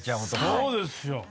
そうですよ。